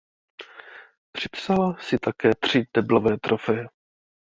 Připsala si také tři deblové trofeje.